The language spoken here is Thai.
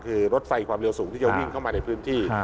คือรถไฟความเร็วสูงที่จะวิ่งเข้ามาในพื้นที่